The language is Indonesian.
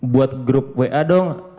buat grup wa dong